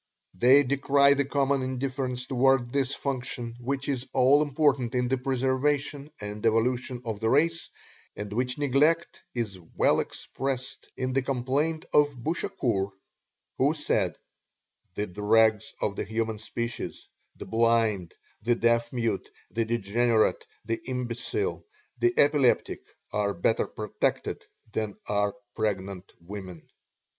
They decry the common indifference toward this function which is all important in the preservation and evolution of the race, and which neglect is well expressed in the complaint of Bouchacourt, who said: "The dregs of the human species the blind, the deaf mute, the degenerate, the imbecile, the epileptic are better protected than are pregnant women."